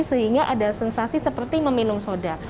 sehingga ada sensasi seperti meminum soda